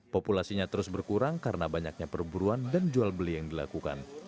populasinya terus berkurang karena banyaknya perburuan dan jual beli yang dilakukan